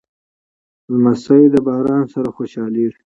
لمسی د باران سره خوشحالېږي.